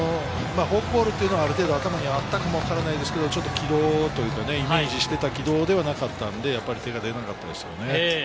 フォークボールというのはある程度、頭にあったかもしれないですけれど、軌道というか、イメージしていた軌道ではなかったので、手が出なかったですよね。